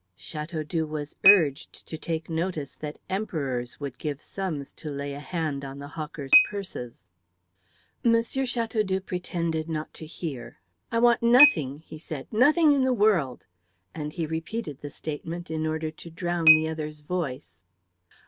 Chateaudoux was urged to take notice that emperors would give sums to lay a hand on the hawker's purses. M. Chateaudoux pretended not to hear. "I want nothing," he said, "nothing in the world;" and he repeated the statement in order to drown the other's voice.